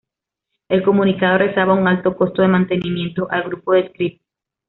El comunicado rezaba un alto costo de mantenimiento al grupo de scripts.